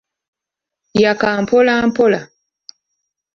Yakka mpola mpola.